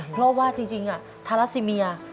เพราะว่าจริงทาราซิเมีย